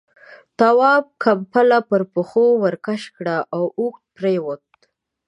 تواب ، کمپله پر پښو ورکش کړه، اوږد پرېووت.